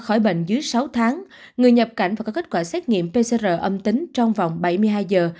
khỏi bệnh dưới sáu tháng người nhập cảnh và có kết quả xét nghiệm pcr âm tính trong vòng bảy mươi hai giờ